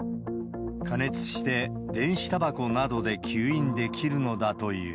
過熱して電子たばこなどで吸引できるのだという。